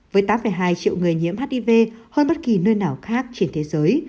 với tám hai triệu người nhiễm hiv hơn bất kỳ nơi nào khác trên thế giới